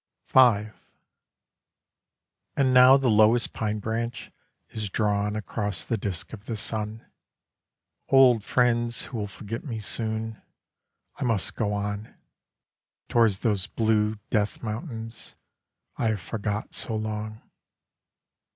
V And now the lowest pine branch Is drawn across the disk of the sun. Old friends who will forget me soon, I must go on, Towards those blue death mountains I have forgot so long.